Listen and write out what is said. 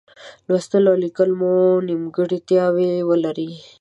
لوستل او لیکل به مو نیمګړتیاوې ولري.